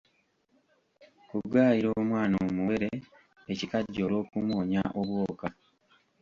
Kugaayira omwana omuwere ekikajjo olw'okumuwonya obwoka.